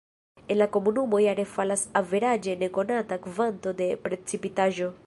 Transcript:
En la komunumo jare falas averaĝe ne konata kvanto de precipitaĵo.